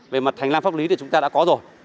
về mặt thành làm pháp lý thì chúng ta đã có rồi